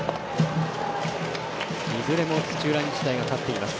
いずれも土浦日大が勝っています。